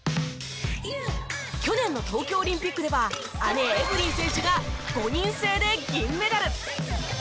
去年の東京オリンピックでは姉エブリン選手が５人制で銀メダル！